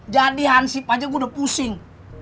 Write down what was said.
jadi ansip aja gua udah pusing